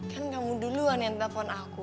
kan kamu duluan yang telepon aku